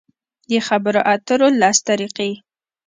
د خبرو اترو لس طریقې: